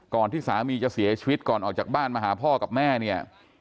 ที่สามีจะเสียชีวิตก่อนออกจากบ้านมาหาพ่อกับแม่เนี่ย